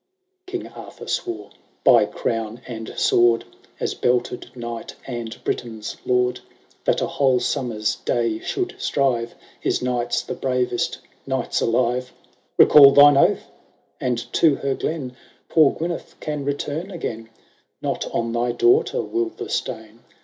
* King Arthur swore, * By crown and sword. As belted knight and Britain^s lord. That a whole summer^S day should strive His knights, the bravest knights alive I* ^' Recal thine oath I and to her glen Poor Gyneth can return agen ; Not on thy dauglhter will the stain.